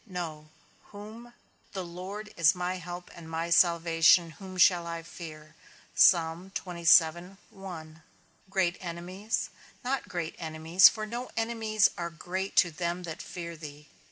No. Whom? The Lord is my help and my salvation, whom shall I fear? Great enemies? Not great enemies, for no enemies are great to them that fear thee.